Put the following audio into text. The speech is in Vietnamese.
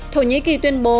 thổ nhĩ kỳ tuyên bố